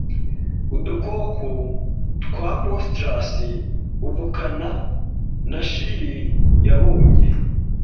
udukoko twa monstrous ubukana na shrill yabonye